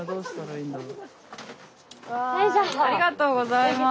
わいありがとうございます。